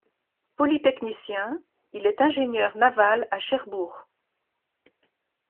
Polytechnicien, il est ingénieur naval à Cherbourg.